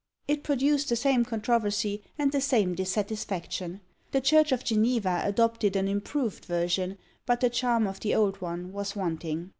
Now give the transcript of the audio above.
It produced the same controversy and the same dissatisfaction. The church of Geneva adopted an improved version, but the charm of the old one was wanting.